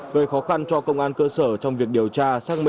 gây khó khăn cho công an cơ sở trong việc điều tra